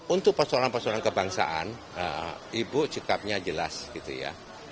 untuk persoalan persoalan kebangsaan ibu sikapnya jelas gitu ya